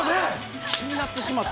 気になってしまって。